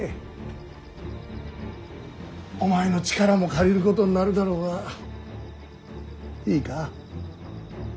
お前の力も借りることになるだろうがいいか。